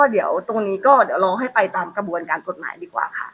เดี๋ยวรอให้ไปตามกระบวนการกฎหมายดีกว่าค่ะ